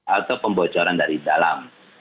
atau pembocoran dari dalam